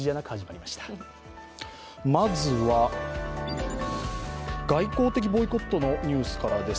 まずは外交的ボイコットのニュースからです。